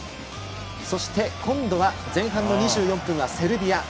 そして今度は前半の２４分はセルビア。